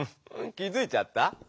気づいちゃった？